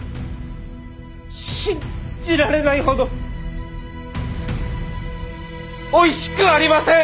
信じられないほどおいしくありません！